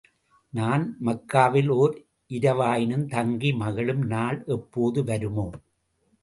நான் மக்காவில் ஓர் இரவாயினும் தங்கி மகிழும் நாள் எப்போது வருமோ?